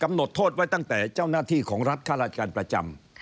หดโทษไว้ตั้งแต่เจ้าหน้าที่ของรัฐค่าราชการประจำ